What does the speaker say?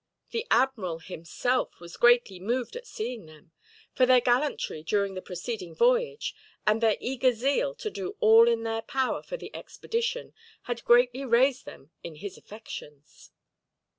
The admiral himself was greatly moved at seeing them; for their gallantry during the preceding voyage, and their eager zeal to do all in their power for the expedition, had greatly raised them in his affections.